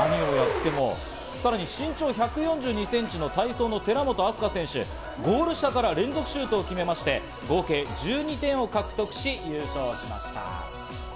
さらに身長１４２センチの体操・寺本明日香選手、ゴール下から連続シュートを決めまして合計１２点を獲得し、優勝しました。